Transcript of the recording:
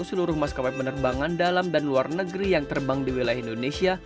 seluruh maskapai penerbangan dalam dan luar negeri yang terbang di wilayah indonesia